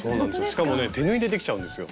しかもね手縫いでできちゃうんですよ。